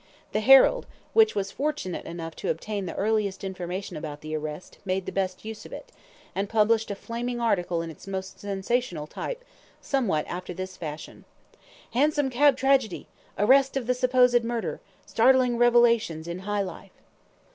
The HERALD, which was fortunate enough to obtain the earliest information about the arrest, made the best use of it, and published a flaming article in its most sensational type, somewhat after this fashion: HANSOM CAB TRAGEDY. ARREST OF THE SUPPOSED MURDERER. STARTLING REVELATIONS IN HIGH LIFE.